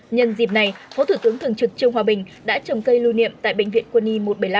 nhân dịp này phó thủ tướng thường trực trương hòa bình đã trồng cây lưu niệm tại bệnh viện quân y một trăm bảy mươi năm